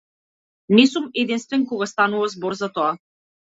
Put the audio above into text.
Не сум единствен кога станува збор за тоа.